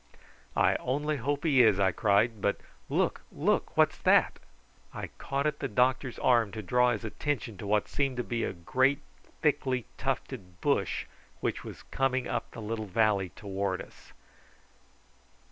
"I only hope he is," I cried; "but look, look! what's that?" I caught at the doctor's arm to draw his attention to what seemed to be a great thickly tufted bush which was coming up the little valley towards us.